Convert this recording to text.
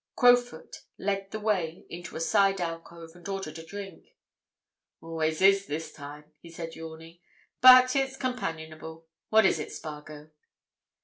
Crowfoot led the way into a side alcove and ordered a drink. "Always is, this time," he said, yawning. "But it's companionable. What is it, Spargo?"